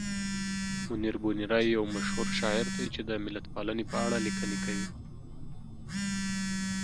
منیر بونیری یو مشهور شاعر دی چې د ملتپالنې په اړه لیکنې کوي.